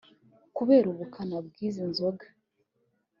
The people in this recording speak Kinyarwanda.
Kubera ubukana bw’izi nzoga